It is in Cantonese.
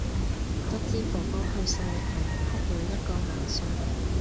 得知“哥哥”去世，黎明哭了一個晚上。